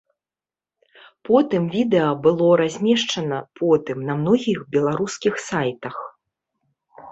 Потым відэа было размешчана потым на многіх беларускіх сайтах.